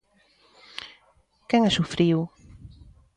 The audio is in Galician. ¿Quen a sufriu?